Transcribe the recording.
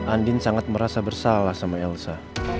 andin sangat merasa bersalah sama elsa